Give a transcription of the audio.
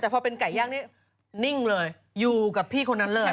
แต่พอเป็นไก่ย่างนี่นิ่งเลยอยู่กับพี่คนนั้นเลย